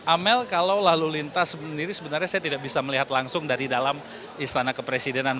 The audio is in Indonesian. amel kalau lalu lintas sendiri sebenarnya saya tidak bisa melihat langsung dari dalam istana kepresidenan